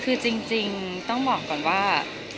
คือจริงต้องบอกก่อนว่า